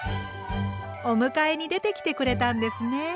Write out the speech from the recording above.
お迎えに出てきてくれたんですね。